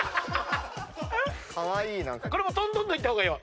これもとんとんといった方がええわ。